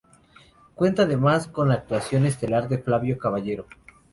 Cuenta además con la actuación estelar de Flavio Caballero.